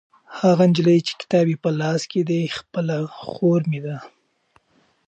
هغه نجلۍ چې کتاب یې په لاس کې دی خپله خور مې ده.